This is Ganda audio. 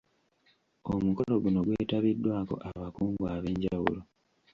Omukolo guno gwetabiddwako abakungu ab’enjawulo